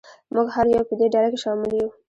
موږ هر یو په دې ډله کې شامل یو.